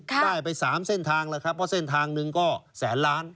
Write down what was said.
ได้ไป๓เส้นทางแล้วครับเพราะเส้นทางหนึ่งก็แสนล้าน